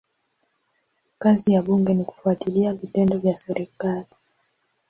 Kazi ya bunge ni kufuatilia vitendo vya serikali.